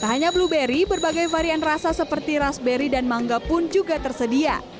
tak hanya blueberry berbagai varian rasa seperti raspberry dan mangga pun juga tersedia